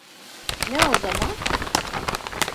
Ne o zaman?